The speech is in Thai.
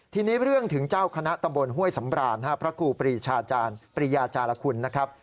ทีนี้เรื่องถึงเจ้าคณะตำบลห้วยสำราญพระครูปรีชาจารย์ปริยาจารคุณนะครับ